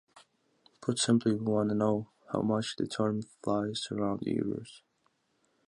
Put simply, we want to know how much the term flies around our ears.